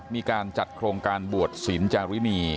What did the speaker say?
มีการจัดโครงการบวชศิลปจารินี